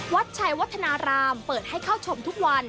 วัดชัยวัฒนารามเปิดให้เข้าชมทุกวัน